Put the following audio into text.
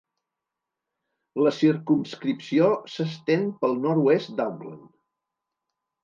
La circumscripció s'estén pel nord-oest d'Auckland.